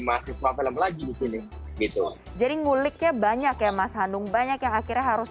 mahasiswa film lagi di sini gitu jadi nguliknya banyak ya mas hanung banyak yang akhirnya harus